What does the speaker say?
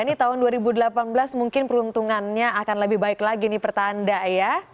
ini tahun dua ribu delapan belas mungkin peruntungannya akan lebih baik lagi nih pertanda ya